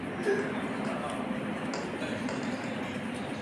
His most important work was Drottningholm Palace, now a world heritage site.